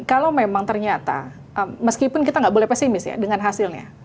kalau memang ternyata meskipun kita nggak boleh pesimis ya dengan hasilnya